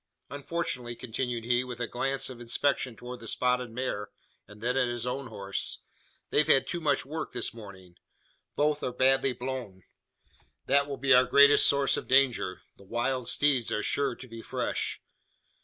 Unfortunately," continued he, with a glance of inspection towards the spotted mare, and then at his own horse, "they've had too much work this morning. Both are badly blown. That will be our greatest source of danger. The wild steeds are sure to be fresh."